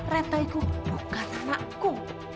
retno itu bukan anakku